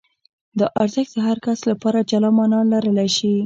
دا ارزښت د هر کس لپاره جلا مانا لرلای شي.